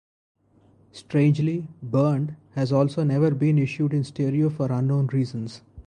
Strangely, "Burned" has also never been issued in stereo for unknown reasons.